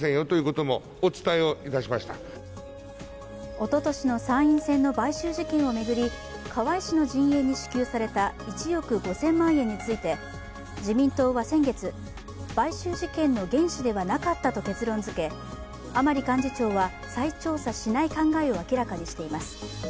おととしの参院選の買収事件を巡り河井氏の陣営に支給された１億５０００万円について自民党は先月、買収事件の原資ではなかったと結論づけ甘利幹事長は再調査しない考えを明らかにしています。